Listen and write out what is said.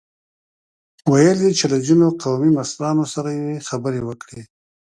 ويل يې چې له ځينو قومي مشرانو سره مې خبرې وکړې.